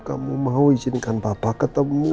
kamu mau izinkan bapak ketemu